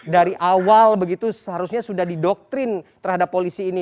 dari awal begitu seharusnya sudah didoktrin terhadap polisi ini